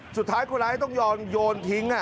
สุดท้ายคนร้ายต้องยอมโยนทิ้ง